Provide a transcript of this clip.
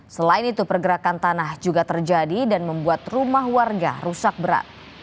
selain itu pergerakan tanah juga terjadi dan membuat rumah warga rusak berat